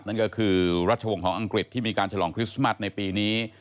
นั่นก็คือรัชวงศ์ของอังกฤษที่มีการฉลองคริสต์มัสในปีนี้